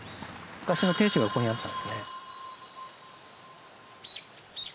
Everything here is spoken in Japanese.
昔の天守がここにあったんですね。